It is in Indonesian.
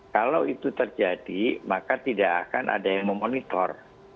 kalau itu terjadi maka tidak akan ada yang memonitor